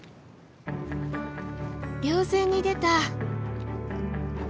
稜線に出た！